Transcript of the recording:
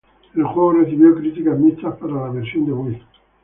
El juego recibió críticas mixtas para la versión de Wii.